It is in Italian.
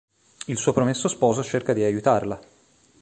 Il suo promesso sposo cerca di aiutarla.